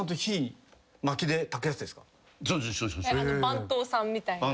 番頭さんみたいな。